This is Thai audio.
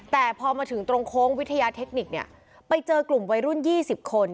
แต่พอมาถึงตรงโค้งวิทยาเทคนิคเนี่ยไปเจอกลุ่มวัยรุ่น๒๐คน